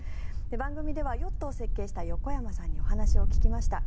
番組ではヨットを設計した横山さんにお話を聞きました。